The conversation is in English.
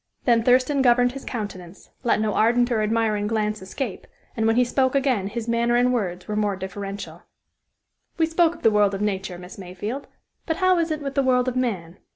Then Thurston governed his countenance let no ardent or admiring glance escape, and when he spoke again his manner and words were more deferential. "We spoke of the world of nature, Miss Mayfield; but how is it with the world of man?